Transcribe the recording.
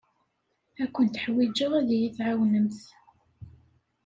Ad kent-ḥwijeɣ ad iyi-tɛawnemt.